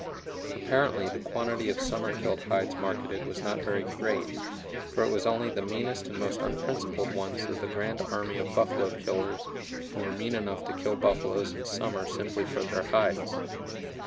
Apparently the quantity of summer killed hides marketed was not very great, for it was only the meanest and most unprincipled ones of the grand army of buffalo killers who were mean enough to kill buffaloes in summer simply for their hides.